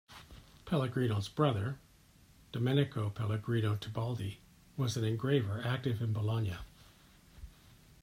Pellegrino's brother, Domenico Pellegrino Tibaldi was an engraver active in Bologna.